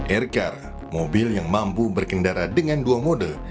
ercar mobil yang mampu berkendara dengan dua mode